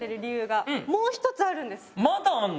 まだあんの？